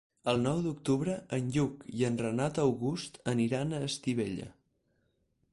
El nou d'octubre en Lluc i en Renat August aniran a Estivella.